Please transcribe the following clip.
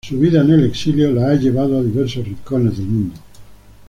Su vida en el exilio, la ha llevado a diversos rincones del mundo.